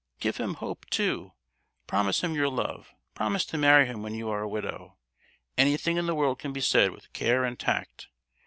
"Give him hope, too! Promise him your love; promise to marry him when you are a widow! Anything in the world can be said with care and tact!